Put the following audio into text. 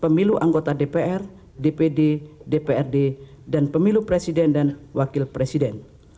pemilu anggota dpr dpd dprd dan pemilu presiden dan wakil presiden